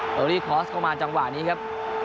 อรี่คอร์สเข้ามาจังหวะนี้ครับ